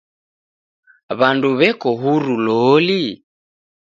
W'and w'eko huru loli?